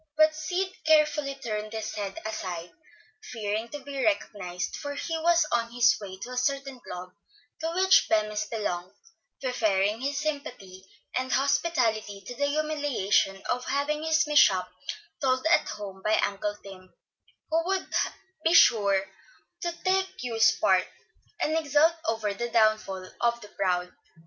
But Sid carefully turned his head aside, fearing to be recognized; for he was on his way to a certain club to which Bemis belonged, preferring his sympathy and hospitality to the humiliation of having his mishap told at home by Uncle Tim, who would be sure to take Hugh's part, and exult over the downfall of the proud.